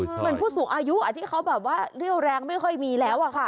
เหมือนผู้สูงอายุที่เขาแบบว่าเรี่ยวแรงไม่ค่อยมีแล้วอะค่ะ